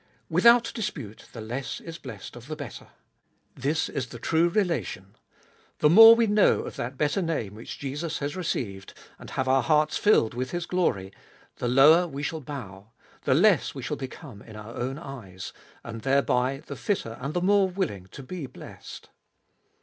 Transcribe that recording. Without dispute the less is blessed of the better. This is the true relation. The more we know of that better name which Jesus has received, and have our hearts filled with His glory, the lower we shall bow, the less we shall become in our own eyes ; and thereby the fitter and the more willing to be blessed.